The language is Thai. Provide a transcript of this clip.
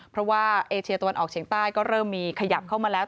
เพราะว่าเอเชียตะวันออกเฉียงใต้ก็เริ่มมีขยับเข้ามาแล้ว